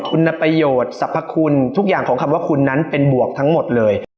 คุณประโยชน์สรรพคุณทุกอย่างของคำว่าคุณนั้นเป็นบวกทั้งหมดเลย